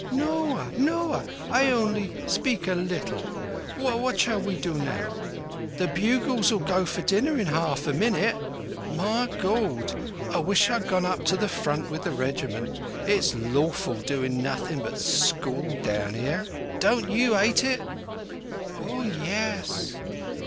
"No ah! No ah! I onlee speak a little. What shall we do now?" "The bugles'll go for dinner in arf a minute. My Gawd! I wish I'd gone up to the Front with the Regiment. It's awful doin' nothin' but school down 'ere. Don't you 'ate it?" "Oah yess!"